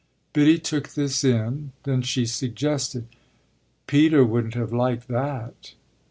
Biddy took this in; then she suggested; "Peter wouldn't have liked that."